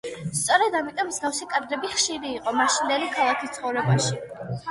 სწორედ ამიტომ მსგავსი კადრები ხშირი იყო მაშინდელი ქალაქის ცხოვრებაში.